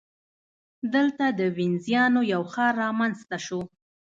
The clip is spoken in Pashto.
دلته د وینزیانو یو ښار رامنځته شو